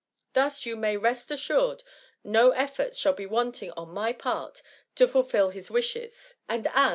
Thus, you may rest assured, no efforts shall be wanting on my part to fulfil his wishes, and as, THE MUMMY.